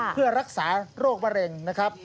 เพื่อรักษาโรคมะเร็งนะครับ